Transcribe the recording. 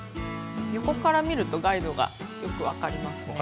横から見るとガイドがよく分かりますね。